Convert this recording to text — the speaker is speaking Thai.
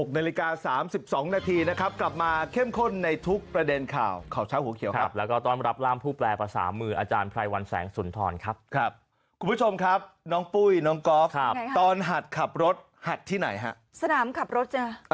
นาฬิกา๓๒นาทีนะครับกลับมาเข้มข้นในทุกประเด็นข่าวข่าวเช้าหัวเขียวครับแล้วก็ต้อนรับร่ามผู้แปลภาษามืออาจารย์ไพรวันแสงสุนทรครับครับคุณผู้ชมครับน้องปุ้ยน้องก๊อฟตอนหัดขับรถหัดที่ไหนฮะสนามขับรถจ้ะ